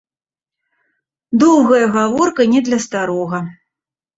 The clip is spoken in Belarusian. Доўгая гаворка не для старога.